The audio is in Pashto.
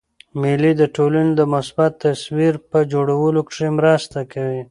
مېلې د ټولني د مثبت تصویر په جوړولو کښي مرسته کوي.